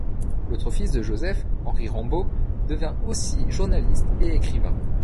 L'autre fils de Joseph, Henri Rambaud, devint aussi journaliste et écrivain.